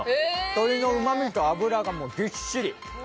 鶏のうまみと脂がぎっしり。